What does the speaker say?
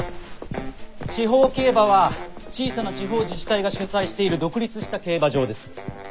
地方競馬は小さな地方自治体が主催している独立した競馬場です。